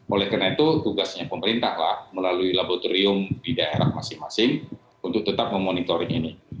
oleh karena itu tugasnya pemerintah lah melalui laboratorium di daerah masing masing untuk tetap memonitoring ini